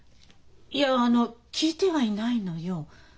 いやあの聞いてはいないのよ。